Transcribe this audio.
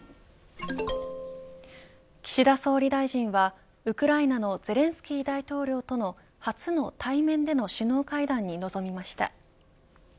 岸田総理大臣はウクライナのゼレンスキー大統領との初の対面での首脳会談に臨みました。